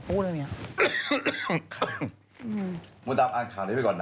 มุนตามถามได้ไว้ก่อนหน่อย